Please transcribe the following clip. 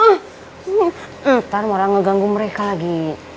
ntar malah ngeganggu mereka lagi